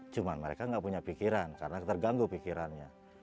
cuma mereka nggak punya pikiran karena terganggu pikirannya